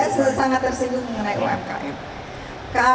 saya sangat tersinggung mengenai umkm